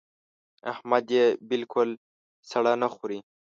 احمد يې بالکل سړه نه خوري.